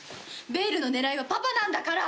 ベイルの狙いはパパなんだから！